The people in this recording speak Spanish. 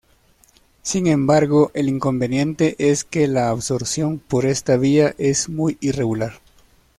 Sin embargo, el inconveniente es que la absorción por esta vía es muy irregular.